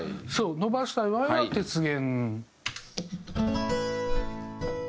伸ばしたい場合は鉄弦。